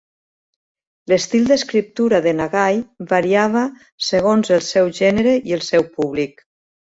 L'estil d'escriptura de Nagai variava segons el seu gènere i el seu públic